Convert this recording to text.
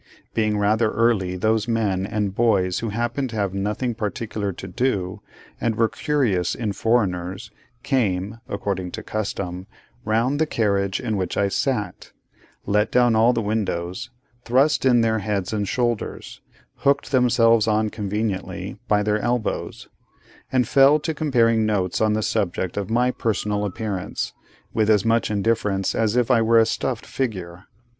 Being rather early, those men and boys who happened to have nothing particular to do, and were curious in foreigners, came (according to custom) round the carriage in which I sat; let down all the windows; thrust in their heads and shoulders; hooked themselves on conveniently, by their elbows; and fell to comparing notes on the subject of my personal appearance, with as much indifference as if I were a stuffed figure.